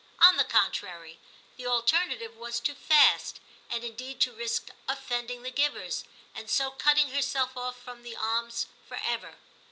On the contrary, the alternative was to fast, and indeed to risk offending the givers, and so cutting herself off from the alms for ever.